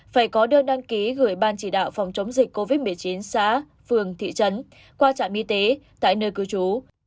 phải có đơn đăng ký gửi ban chỉ đạo phòng chống dịch covid một mươi chín xã phường thị trấn qua trạm y tế tại nơi cư trú